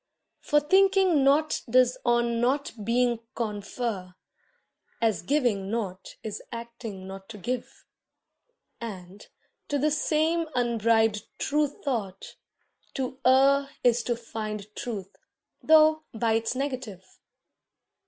For thinking nought does on nought being confer, As giving not is acting not to give, And, to the same unbribed true thought, to err Is to find truth, though by its negative.